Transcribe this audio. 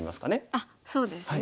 あっそうですね。